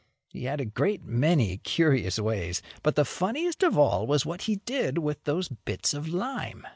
He had a great many curious ways, but the funniest of all was what he did with the bits of lime.